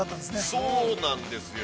◆そうなんですよ。